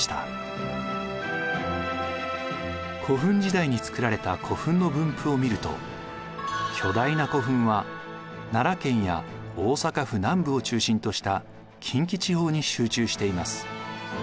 古墳時代に造られた古墳の分布を見ると巨大な古墳は奈良県や大阪府南部を中心とした近畿地方に集中しています。